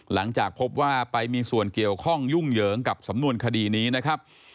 หลังจากพบว่าไปมีส่วนเกี่ยวข้องยุ่งเหยิงกับสำนวนคดีนี้นะครับ